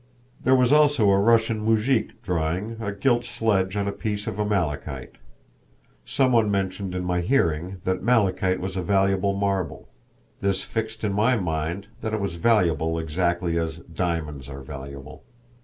There was also a Russian moujik drawing a gilt sledge on a piece of malachite. Some one mentioned in my hearing that malachite was a valuable marble. This fixed in my mind that it was valuable exactly as diamonds are valuable.